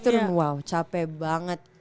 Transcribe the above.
turun wow capek banget